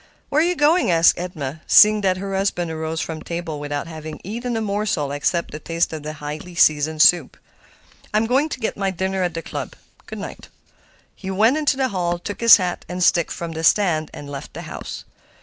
"Where are you going?" asked Edna, seeing that her husband arose from table without having eaten a morsel except a taste of the highly seasoned soup. "I'm going to get my dinner at the club. Good night." He went into the hall, took his hat and stick from the stand, and left the house.